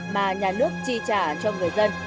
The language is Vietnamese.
mà nhà nước chi trả cho người dân